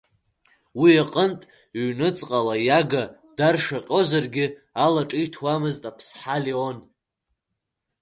Уи аҟнытә, ҩныҵҟала иага даршаҟьозаргьы, алаҿиҭуамызт аԥсҳа Леон.